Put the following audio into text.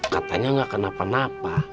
katanya tidak kenapa napa